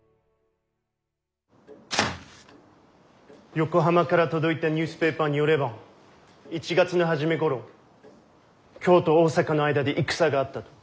横浜から届いたニュースペーパーによれば１月の初めごろ京と大坂の間で戦があったと。